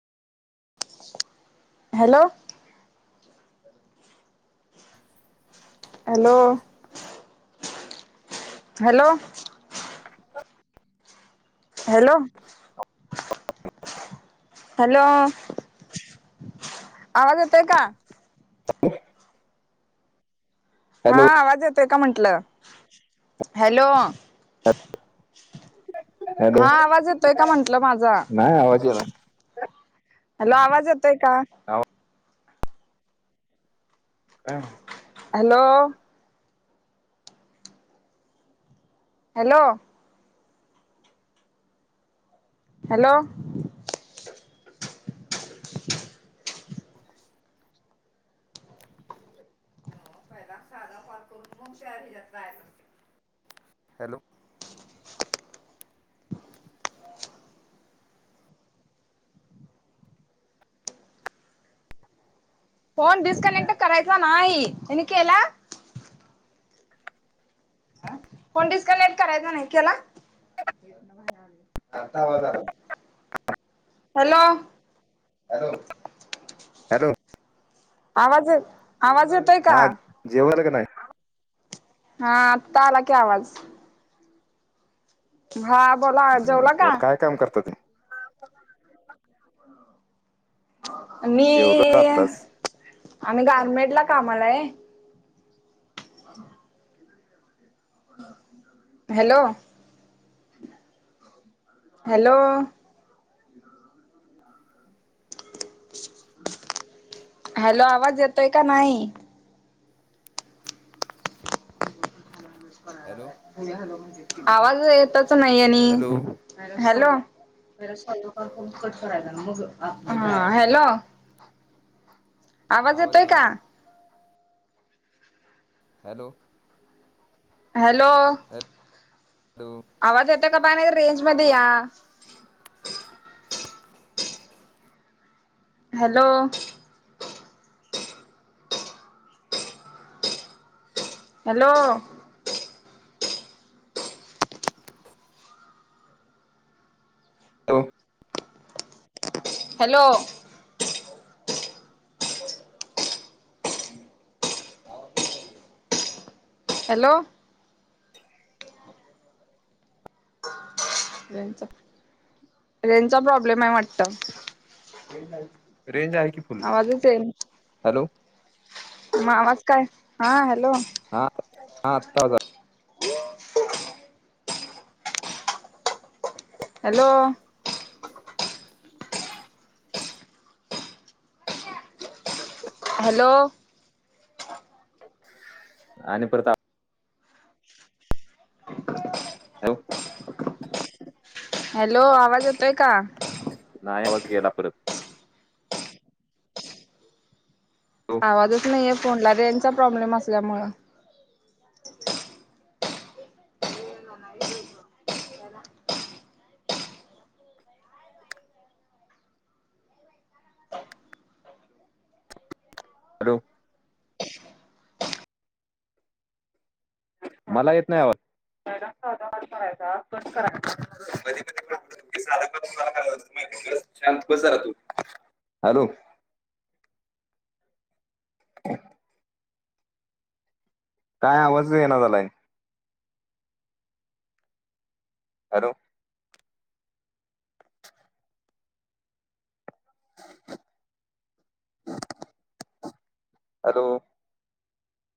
Hello, hello hello hello hello आवाज येतोय का. [inaudible] हा हॅलो आवाज येतोय का म्हंटलं, हॅलो हॅलो हा आवाज येतोय का म्हंटल माझा. नाही आवाज येना हॅलो आवाज येतोय का? आवाज काा हॅलो हॅलो हॅलो पहिला साधा कॉल करून मग त्याहेजात ट्राय कर हॅलो फोन डिसकनेक्ट करायचा नाई तेनी केला? फोन डिसकनेक्ट करायचा नाही केला? अत्ता आवाज आला बग हेलो हेलो हॅलो आवाजे त आवाज येतोय का? नाही हा आत्ता आला की आवाज हा बोला अ् नाही जेवला का? बर काय काम करता ते जेवलो मीअ्अ् आत्ताच आमी गारमेंटला कामालायं हॅलो हॅलो [inaudible] हॅलो आवाज येतोय का नाई हॅलो म्हणत्यात आवाज येतच नाई आणि हॅलो हॅलो पहिला साधा काॅल करून कट करायच हअ हॅलो हा हॅलो आवाज येतोय येना का? झाला हॅलो हॅलो हॅलो आवाज यतोय क कापा नईत रेंज मदे या hello hello hello hello hello रेंचा प्राॅबलेम रेंचा प्रॉब्लेम आहे वाटत! रेंज आहे की फुल्ल आवाजच हॅलो म आवाज काय हा हॅलो हा हा आत्ता आवाज आलं [unintelligible] हॅलो हॅलो आणि परत आ हॅव हॅलो आवाज येतोय का? नाही आवाज गेला परत हॅलो आवाजच नईये फोनला रेंचा प्रॉब्लेम असल्यामुळं [unintelligible] [unintelligible] [unintelligible] [unintelligible] काय बाई [unintelligible] हॅलो [unintelligible] [unintelligible] मला येतनई आवाज काॅल करायचा कट करायचा मदी मदी सादा करुन च केलत जरातो हॅलो काय आवाजच ये ना झालाय हॅलो - हॅलो